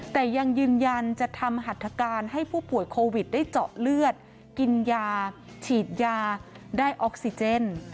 แต่ยังยืนยันจะทำหัตถการให้ผู้ป่วยโควิดได้เจาะเลือดกินยาฉีดยาได้ออกซิเจน